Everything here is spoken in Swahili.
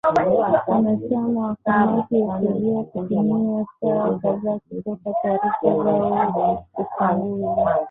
wanachama wa kamati ya sheria kutumia saa kadhaa kutoa taarifa zao ufunguzi